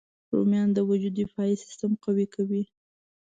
رومیان د وجود دفاعي سیسټم قوي کوي